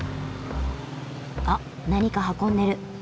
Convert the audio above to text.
あっ何か運んでる。